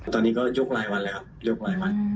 ตอนนี้ก็ยกรายวันแล้วครับยกรายวัน